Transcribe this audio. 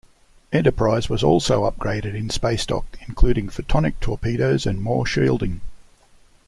Enterprise was also upgraded in space dock, including "photonic" torpedoes and more shielding.